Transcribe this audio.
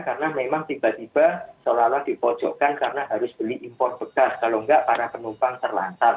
karena memang tiba tiba seolah olah dipojokkan karena harus beli impor bekas kalau enggak para penumpang terlantar